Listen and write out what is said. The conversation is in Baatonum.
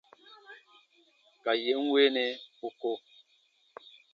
Ka yè n weenɛ ù ko.